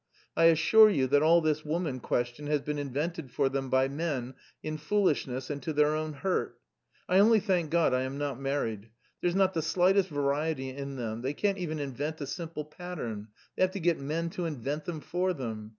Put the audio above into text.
I assure you that all this woman question has been invented for them by men in foolishness and to their own hurt. I only thank God I am not married. There's not the slightest variety in them, they can't even invent a simple pattern; they have to get men to invent them for them!